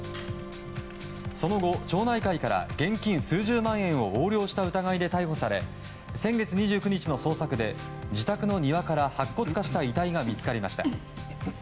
その後、町内会から現金数十万円を横領した疑いで逮捕され先月２９日の捜索で自宅の庭から白骨化した遺体が見つかりました。